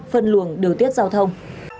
phân luồng đường tiết giao thông